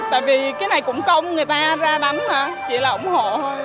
tại vì cái này cũng công người ta ra đánh thôi chỉ là ủng hộ thôi